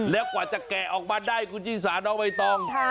แล้วกว่าจะแก่ออกมาได้กูจิสาน้องไม่ต้อง